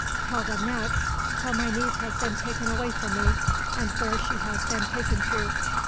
"Tell them next, how my niece has been taken away from me, and where she has been taken to."